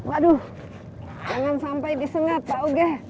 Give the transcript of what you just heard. waduh jangan sampai disengat pak uge